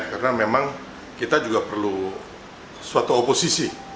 karena memang kita juga perlu suatu oposisi